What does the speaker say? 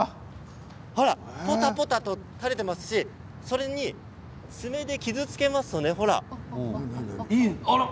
ぽたぽたと垂れていますし爪で傷つけますと、ほら！